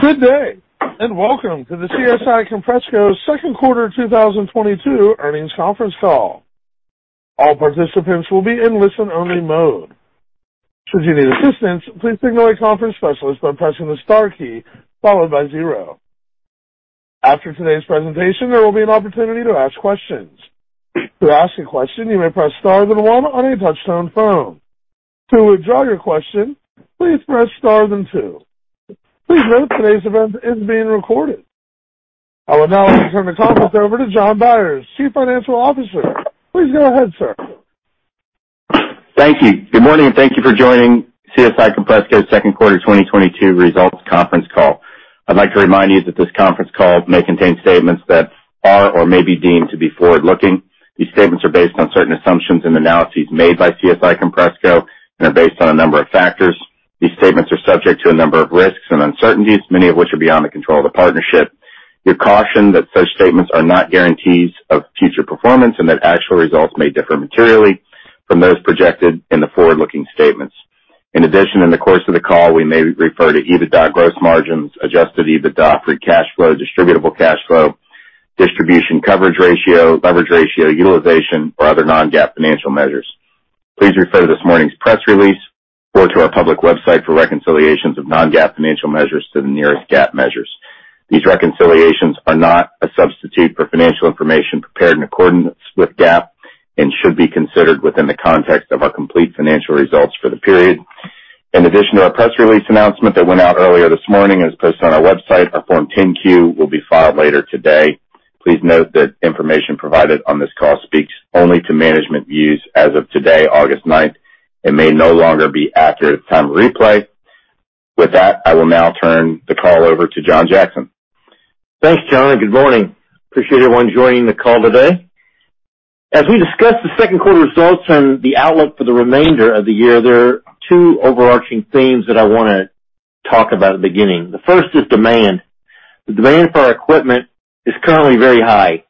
Good day, and welcome to the CSI Compressco Second Quarter 2022 Earnings Conference Call. All participants will be in listen-only mode. Should you need assistance, please signal a conference specialist by pressing the star key followed by zero. After today's presentation, there will be an opportunity to ask questions. To ask a question, you may press star then one on your touchtone phone. To withdraw your question, please press star then two. Please note today's event is being recorded. I will now turn the conference over to Jon Byers, Chief Financial Officer. Please go ahead, sir. Thank you. Good morning, and thank you for joining CSI Compressco Second Quarter 2022 Results Conference Call. I'd like to remind you that this conference call may contain statements that are or may be deemed to be forward-looking. These statements are based on certain assumptions and analyses made by CSI Compressco and are based on a number of factors. These statements are subject to a number of risks and uncertainties, many of which are beyond the control of the partnership. You're cautioned that such statements are not guarantees of future performance and that actual results may differ materially from those projected in the forward-looking statements. In addition, in the course of the call, we may refer to EBITDA gross margins, adjusted EBITDA, free cash flow, distributable cash flow, distribution coverage ratio, leverage ratio, utilization, or other non-GAAP financial measures. Please refer to this morning's press release or to our public website for reconciliations of non-GAAP financial measures to the nearest GAAP measures. These reconciliations are not a substitute for financial information prepared in accordance with GAAP and should be considered within the context of our complete financial results for the period. In addition to our press release announcement that went out earlier this morning and is posted on our website, our Form 10-Q will be filed later today. Please note that information provided on this call speaks only to management views as of today, August ninth, and may no longer be accurate at the time of replay. With that, I will now turn the call over to John Jackson. Thanks, John, and good morning. Appreciate everyone joining the call today. As we discuss the second quarter results and the outlook for the remainder of the year, there are two overarching themes that I wanna talk about at the beginning. The first is demand. The demand for our equipment is currently very high.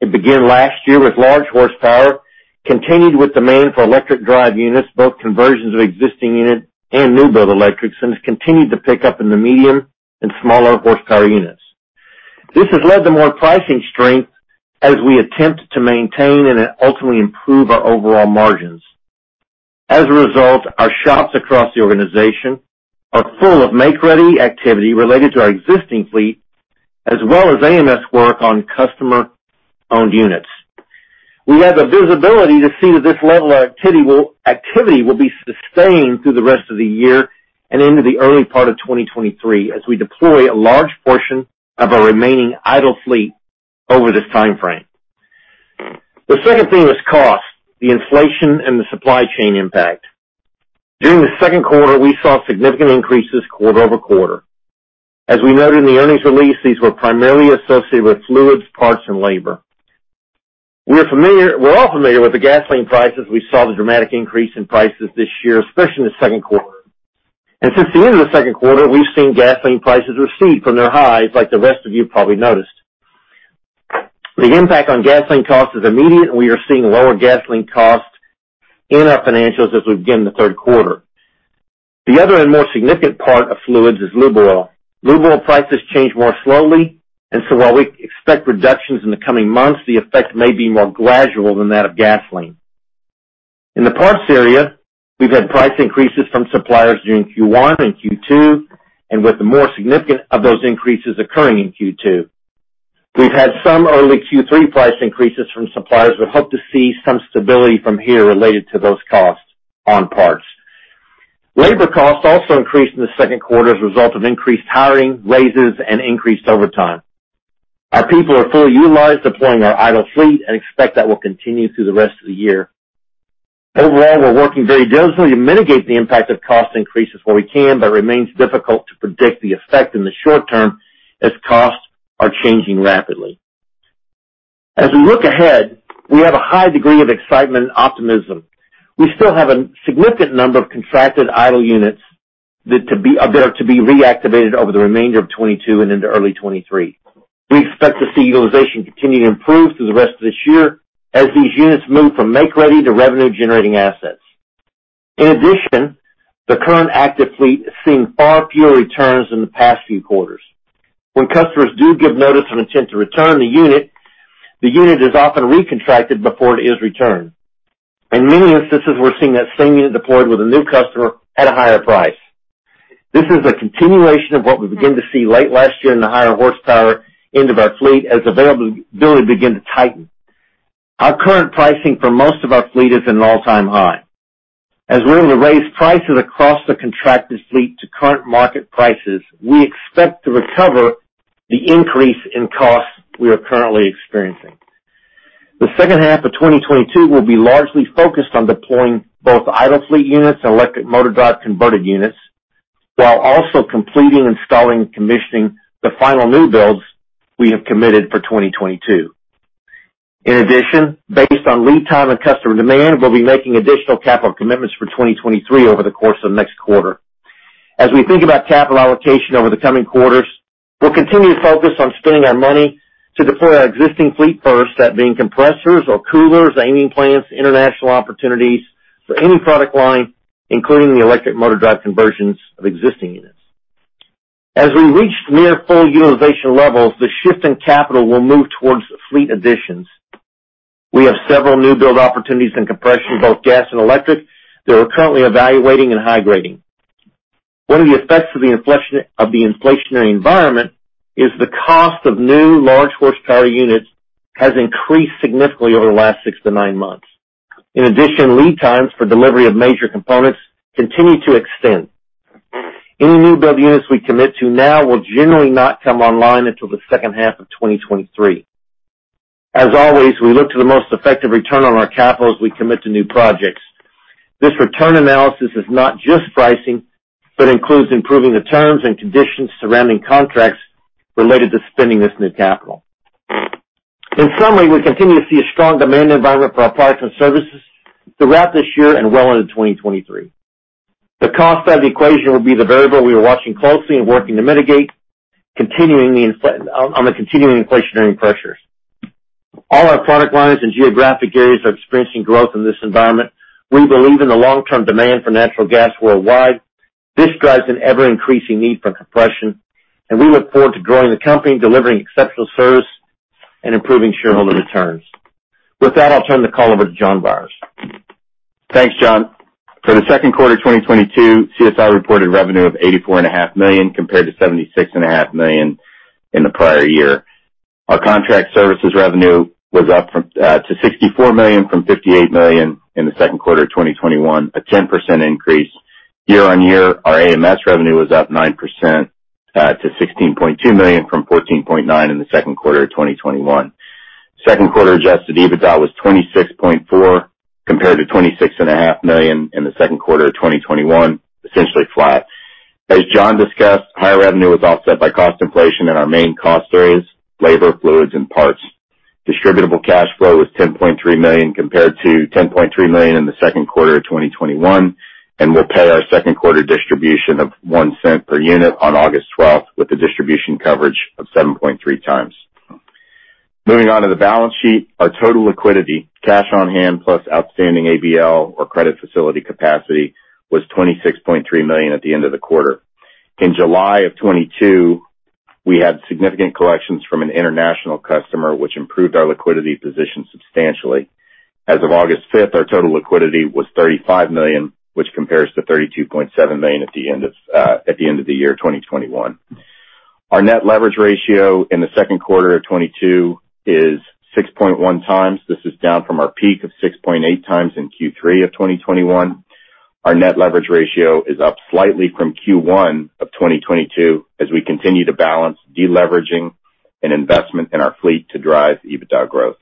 It began last year with large horsepower, continued with demand for electric drive units, both conversions of existing units and new build electrics, and has continued to pick up in the medium and smaller horsepower units. This has led to more pricing strength as we attempt to maintain and ultimately improve our overall margins. As a result, our shops across the organization are full of make-ready activity related to our existing fleet, as well as AMS work on customer-owned units. We have visibility to see that this level of activity will be sustained through the rest of the year and into the early part of 2023, as we deploy a large portion of our remaining idle fleet over this timeframe. The second thing is cost, the inflation and the supply chain impact. During the second quarter, we saw significant increases quarter-over-quarter. As we noted in the earnings release, these were primarily associated with fluids, parts, and labor. We're all familiar with the gasoline prices. We saw the dramatic increase in prices this year, especially in the second quarter. Since the end of the second quarter, we've seen gasoline prices recede from their highs like the rest of you probably noticed. The impact on gasoline cost is immediate, and we are seeing lower gasoline costs in our financials as we begin the third quarter. The other and more significant part of fluids is lube oil. Lube oil prices change more slowly, and so while we expect reductions in the coming months, the effect may be more gradual than that of gasoline. In the parts area, we've had price increases from suppliers during Q1 and Q2, and with the more significant of those increases occurring in Q2. We've had some early Q3 price increases from suppliers. We hope to see some stability from here related to those costs on parts. Labor costs also increased in the second quarter as a result of increased hiring, raises, and increased overtime. Our people are fully utilized deploying our idle fleet and expect that will continue through the rest of the year. Overall, we're working very diligently to mitigate the impact of cost increases where we can, but it remains difficult to predict the effect in the short term as costs are changing rapidly. As we look ahead, we have a high degree of excitement and optimism. We still have a significant number of contracted idle units that are to be reactivated over the remainder of 2022 and into early 2023. We expect to see utilization continue to improve through the rest of this year as these units move from make-ready to revenue-generating assets. In addition, the current active fleet is seeing far fewer returns in the past few quarters. When customers do give notice and intend to return the unit, the unit is often recontracted before it is returned. In many instances, we're seeing that same unit deployed with a new customer at a higher price. This is a continuation of what we began to see late last year in the higher horsepower end of our fleet as availability began to tighten. Our current pricing for most of our fleet is at an all-time high. As we're able to raise prices across the contracted fleet to current market prices, we expect to recover the increase in costs we are currently experiencing. The second half of 2022 will be largely focused on deploying both idle fleet units and electric motor drive converted units while also completing, installing, and commissioning the final new builds we have committed for 2022. In addition, based on lead time and customer demand, we'll be making additional capital commitments for 2023 over the course of next quarter. As we think about capital allocation over the coming quarters. We continue to focus on spending our money to deploy our existing fleet first, that being compressors or coolers, amine plants, international opportunities for any product line, including the electric motor drive conversions of existing units. As we reach near full utilization levels, the shift in capital will move towards fleet additions. We have several new build opportunities in compression, both gas and electric, that we're currently evaluating and high grading. One of the effects of the inflation of the inflationary environment is the cost of new large horsepower units has increased significantly over the last six to nine months. In addition, lead times for delivery of major components continue to extend. Any new build units we commit to now will generally not come online until the second half of 2023. As always, we look to the most effective return on our capital as we commit to new projects. This return analysis is not just pricing, but includes improving the terms and conditions surrounding contracts related to spending this new capital. In summary, we continue to see a strong demand environment for our products and services throughout this year and well into 2023. The cost side of the equation will be the variable we are watching closely and working to mitigate the continuing inflationary pressures. All our product lines and geographic areas are experiencing growth in this environment. We believe in the long term demand for natural gas worldwide. This drives an ever increasing need for compression, and we look forward to growing the company, delivering exceptional service and improving shareholder returns. With that, I'll turn the call over to Jon Byers. Thanks, John. For the second quarter 2022, CSI reported revenue of $84 and a half million compared to $76 and a half million in the prior year. Our contract services revenue was up to $64 million from $58 million in the second quarter of 2021, a 10% increase. Year-on-year, our AMS revenue was up 9% to $16.2 million from $14.9 million in the second quarter of 2021. Second quarter adjusted EBITDA was $26.4 million compared to $26 and a half million in the second quarter of 2021, essentially flat. As John discussed, higher revenue was offset by cost inflation in our main cost areas, labor, fluids, and parts. Distributable cash flow was $10.3 million compared to $10.3 million in the second quarter of 2021, and we'll pay our second quarter distribution of $0.01 per unit on August 12 with a distribution coverage of 7.3 times. Moving on to the balance sheet, our total liquidity, cash on hand plus outstanding ABL or credit facility capacity, was $26.3 million at the end of the quarter. In July of 2022, we had significant collections from an international customer which improved our liquidity position substantially. As of August 5, our total liquidity was $35 million, which compares to $32.7 million at the end of the year 2021. Our net leverage ratio in the second quarter of 2022 is 6.1 times. This is down from our peak of 6.8x in Q3 of 2021. Our net leverage ratio is up slightly from Q1 of 2022 as we continue to balance deleveraging and investment in our fleet to drive EBITDA growth.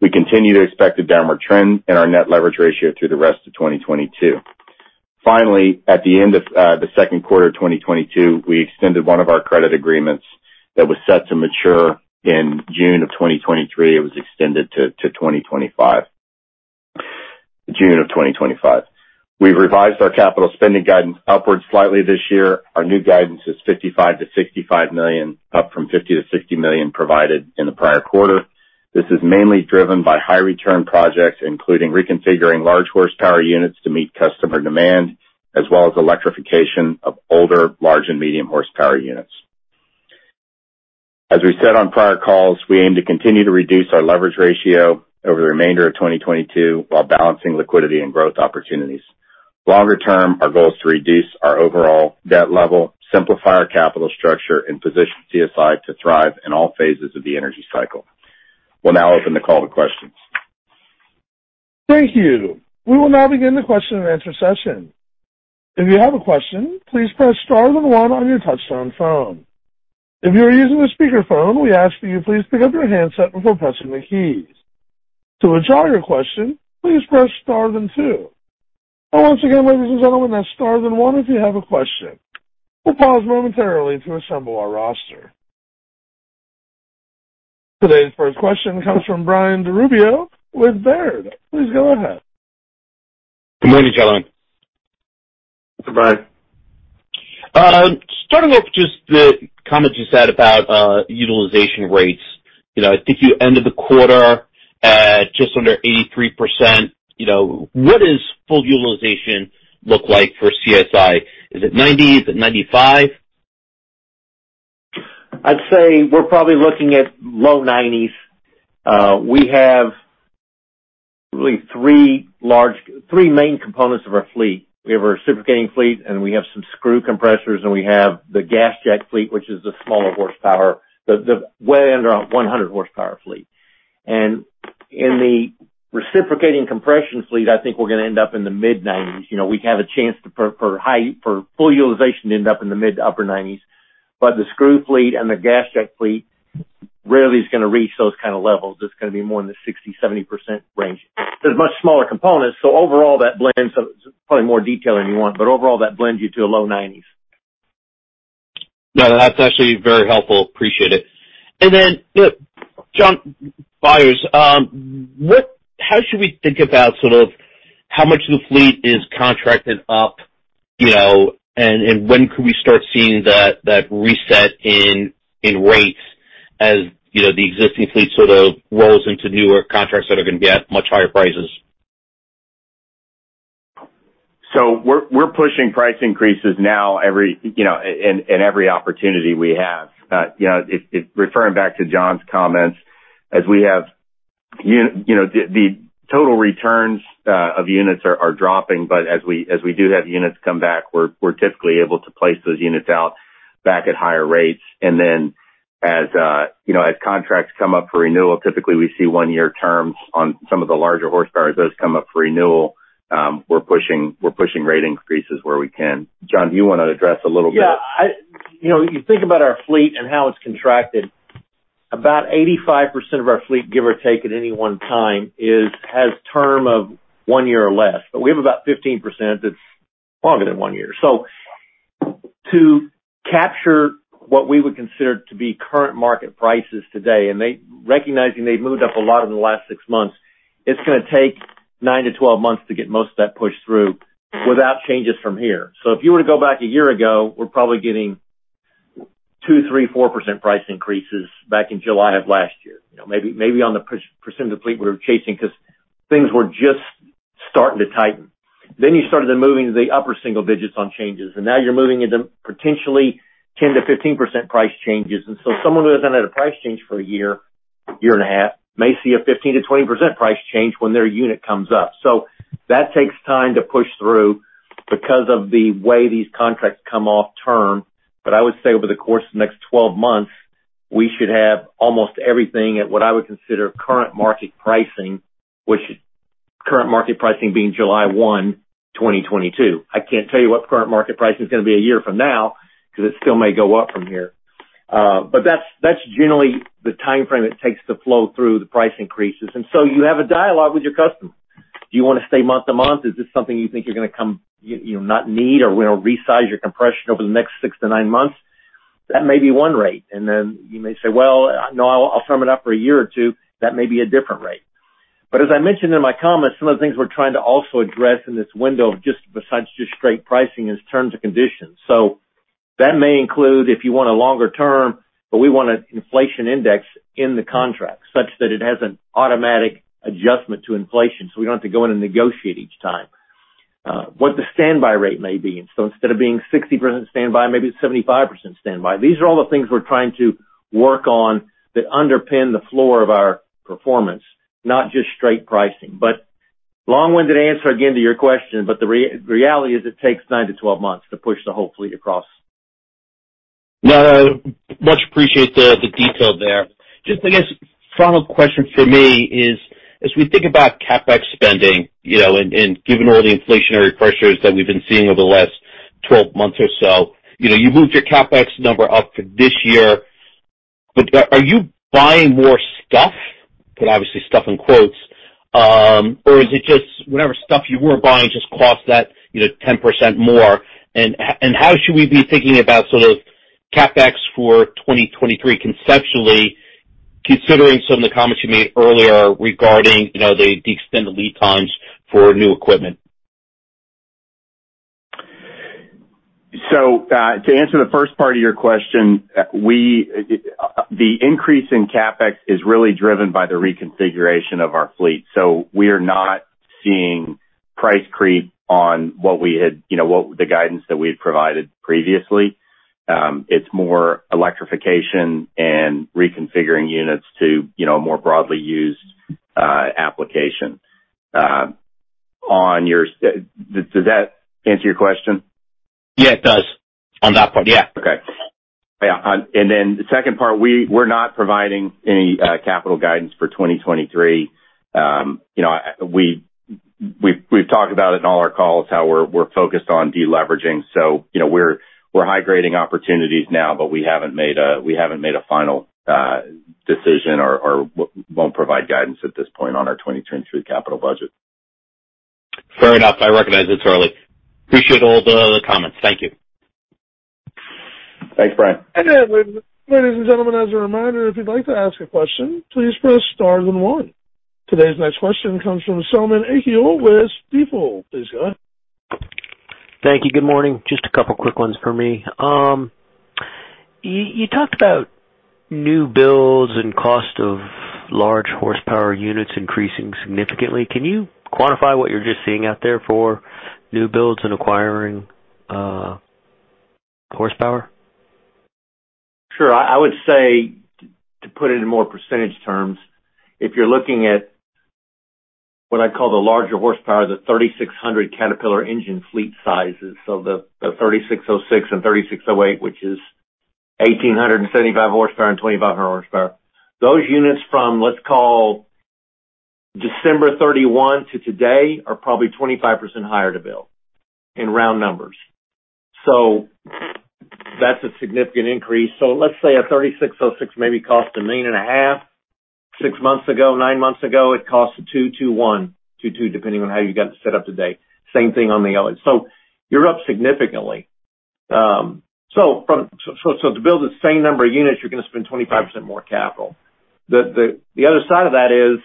We continue to expect a downward trend in our net leverage ratio through the rest of 2022. Finally, at the end of the second quarter of 2022, we extended one of our credit agreements that was set to mature in June of 2023. It was extended to 2025. June of 2025. We revised our capital spending guidance upwards slightly this year. Our new guidance is $55 million-$65 million, up from $50 million-$60 million provided in the prior quarter. This is mainly driven by high return projects, including reconfiguring large horsepower units to meet customer demand, as well as electrification of older large and medium horsepower units. As we said on prior calls, we aim to continue to reduce our leverage ratio over the remainder of 2022 while balancing liquidity and growth opportunities. Longer term, our goal is to reduce our overall debt level, simplify our capital structure, and position CSI to thrive in all phases of the energy cycle. We'll now open the call to questions. Thank you. We will now begin the question and answer session. If you have a question, please press star then one on your touchtone phone. If you are using a speaker phone, we ask that you please pick up your handset before pressing the keys. To withdraw your question, please press star then two. Once again, ladies and gentlemen, that's star then one if you have a question. We'll pause momentarily to assemble our roster. Today's first question comes from Brian DiRubbio with Baird. Please go ahead. Good morning, gentlemen. Good morning. Starting off just the comments you said about utilization rates. You know, I think you ended the quarter at just under 83%. You know, what does full utilization look like for CSI? Is it 90? Is it 95? I'd say we're probably looking at low 90s. We have really three main components of our fleet. We have our reciprocating fleet, and we have some screw compressors, and we have the GasJack fleet, which is the smaller horsepower, the way under our 100 horsepower fleet. In the reciprocating compression fleet, I think we're gonna end up in the mid-90s. You know, we have a chance for full utilization to end up in the mid- to upper 90s. The screw fleet and the GasJack fleet really is gonna reach those kind of levels. It's gonna be more in the 60%-70% range. There's much smaller components, so overall that blends, probably more detail than you want, but overall that blends you to a low 90s. No, that's actually very helpful. Appreciate it. You know, Jon Byers, how should we think about sort of how much of the fleet is contracted up, you know, and when could we start seeing that reset in rates as, you know, the existing fleet sort of rolls into newer contracts that are gonna be at much higher prices? We're pushing price increases now every opportunity we have. Referring back to John's comments, as we have total returns of units are dropping, but as we do have units come back, we're typically able to place those units out back at higher rates. As contracts come up for renewal, typically we see one-year terms on some of the larger horsepowers. Those come up for renewal, we're pushing rate increases where we can. John, do you wanna address a little bit. Yeah. You know, you think about our fleet and how it's contracted. About 85% of our fleet, give or take at any one time, is, has term of one year or less, but we have about 15% that's longer than one year. To capture what we would consider to be current market prices today, recognizing they've moved up a lot in the last six months, it's gonna take 9-12 months to get most of that pushed through without changes from here. If you were to go back a year ago, we're probably getting 2%, 3%, 4% price increases back in July of last year. You know, maybe on the 10% of the fleet we were chasing, 'cause things were just starting to tighten. You started moving to the upper single digits on changes, and now you're moving into potentially 10%-15% price changes. Someone who hasn't had a price change for a year and a half, may see a 15%-20% price change when their unit comes up. That takes time to push through because of the way these contracts come off term. I would say over the course of the next 12 months, we should have almost everything at what I would consider current market pricing, which current market pricing being July 1, 2022. I can't tell you what the current market price is gonna be a year from now, 'cause it still may go up from here. That's generally the timeframe it takes to flow through the price increases. You have a dialogue with your customer. Do you wanna stay month to month? Is this something you think you're gonna not need, or we're gonna resize your compression over the next 6-9 months? That may be one rate. You may say, "Well, no, I'll firm it up for a year or two." That may be a different rate. As I mentioned in my comments, some of the things we're trying to also address in this window of just besides just straight pricing is terms and conditions. That may include if you want a longer term, but we want an inflation index in the contract such that it has an automatic adjustment to inflation, so we don't have to go in and negotiate each time. What the standby rate may be. Instead of being 60% standby, maybe it's 75% standby. These are all the things we're trying to work on that underpin the floor of our performance, not just straight pricing. Long-winded answer again to your question, but the reality is it takes 9-12 months to push the whole fleet across. No, no. Much appreciate the detail there. Just, I guess, final question from me is, as we think about CapEx spending, you know, and given all the inflationary pressures that we've been seeing over the last 12 months or so, you know, you moved your CapEx number up for this year, but, are you buying more stuff? And obviously stuff in quotes. Or is it just whatever stuff you were buying just cost that, you know, 10% more? And how should we be thinking about sort of CapEx for 2023 conceptually, considering some of the comments you made earlier regarding, you know, the extended lead times for new equipment? To answer the first part of your question, the increase in CapEx is really driven by the reconfiguration of our fleet. We are not seeing price creep on, you know, what the guidance that we had provided previously. It's more electrification and reconfiguring units to, you know, more broadly used application. Did that answer your question? Yeah, it does. On that point, yeah. Okay. Yeah. Then the second part, we're not providing any capital guidance for 2023. You know, we've talked about it in all our calls, how we're focused on deleveraging. You know, we're high-grading opportunities now, but we haven't made a final decision or won't provide guidance at this point on our 2023 capital budget. Fair enough. I recognize it's early. Appreciate all the comments. Thank you. Thanks, Brian. Ladies and gentlemen, as a reminder, if you'd like to ask a question, please press star then one. Today's next question comes from Selman Akyol with Stifel. Please go ahead. Thank you. Good morning. Just a couple quick ones for me. You talked about new builds and cost of large horsepower units increasing significantly. Can you quantify what you're just seeing out there for new builds and acquiring, horsepower? Sure. I would say, to put it in more percentage terms, if you're looking at what I call the larger horsepower, the 3,600 Caterpillar engine fleet sizes, so the G3606 and G3608, which is 1,875 horsepower and 2,500 horsepower. Those units from, let's call December 31 to today, are probably 25% higher to build in round numbers. That's a significant increase. Let's say a G3606 maybe cost $1.5 million. Six months ago, nine months ago, it cost $1.2 million, $1.2 million, depending on how you got it set up today. Same thing on the other. You're up significantly. To build the same number of units, you're gonna spend 25% more capital. The other side of that is,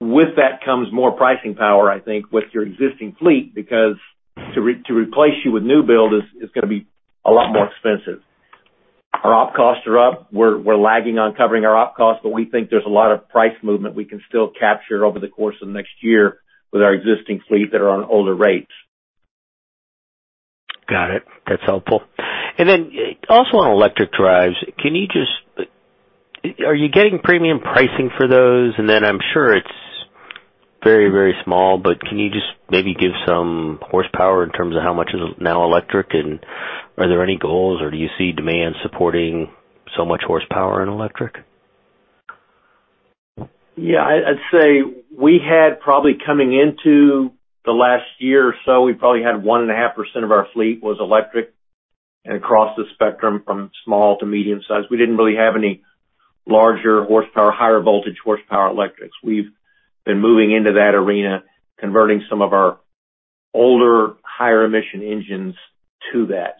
with that comes more pricing power, I think, with your existing fleet because to replace you with new build is gonna be a lot more expensive. Our op costs are up. We're lagging on covering our op costs, but we think there's a lot of price movement we can still capture over the course of next year with our existing fleet that are on older rates. Got it. That's helpful. Also on electric drives, can you just? Are you getting premium pricing for those? I'm sure it's very, very small, but can you just maybe give some horsepower in terms of how much is now electric and are there any goals or do you see demand supporting so much horsepower in electric? Yeah, I'd say we had probably coming into the last year or so, we probably had 1.5% of our fleet was electric and across the spectrum from small to medium size. We didn't really have any larger horsepower, higher voltage, horsepower electrics. We've been moving into that arena, converting some of our older, higher emission engines to that.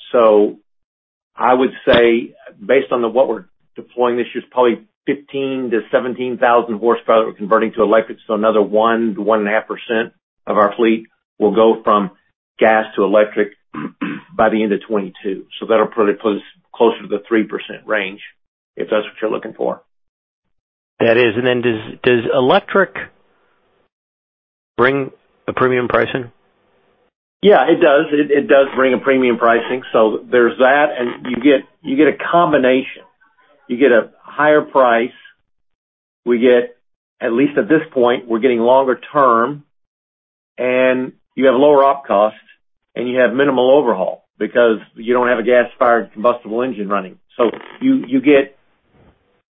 I would say based on what we're deploying this year, it's probably 15,000-17,000 horsepower that we're converting to electric. Another 1-1.5% of our fleet will go from gas to electric by the end of 2022. That'll probably put us closer to the 3% range, if that's what you're looking for. That is. Does electric bring a premium pricing? Yeah, it does. It does bring a premium pricing. There's that, and you get a combination. You get a higher price. We get, at least at this point, we're getting longer term and you have lower op costs and you have minimal overhaul because you don't have a gas-fired combustible engine running. You get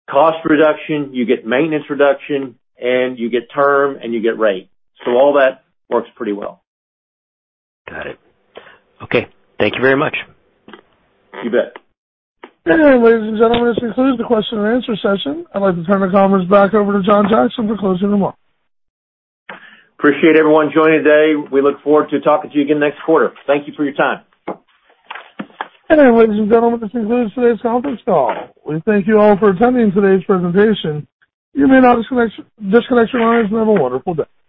cost reduction, you get maintenance reduction, and you get term and you get rate. All that works pretty well. Got it. Okay. Thank you very much. You bet. Ladies and gentlemen, this concludes the question and answer session. I'd like to turn the conference back over to John Jackson for closing remarks. Appreciate everyone joining today. We look forward to talking to you again next quarter. Thank you for your time. Ladies and gentlemen, this concludes today's conference call. We thank you all for attending today's presentation. You may now disconnect your lines and have a wonderful day.